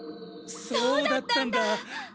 そうだったんだ！